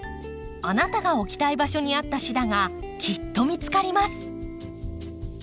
あなたが置きたい場所に合ったシダがきっと見つかります。